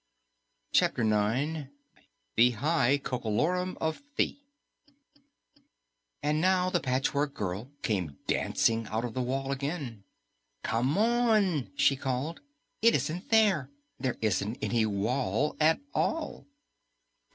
CHAPTER 9 THE HIGH COCO LORUM OF THI And now the Patchwork Girl came dancing out of the wall again. "Come on!" she called. "It isn't there. There isn't any wall at all."